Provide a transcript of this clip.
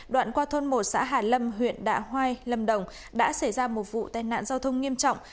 đoạn qua thôn một xã hà lâm huyện đạ hoai lâm đồng đã xảy ra một vụ tai nạn giao thông nghiêm trọng